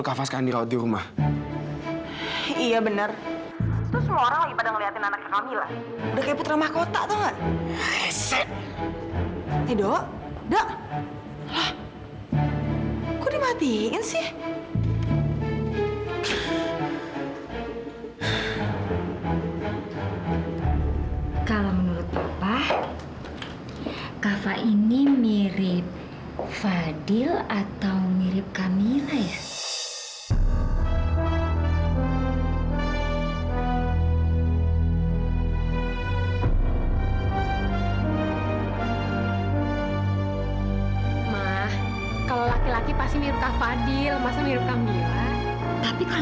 cintanya aku do cuma cinta terus tau gak